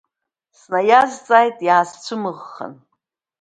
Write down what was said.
Снаиазҵааит иаасцәымыӷхханы.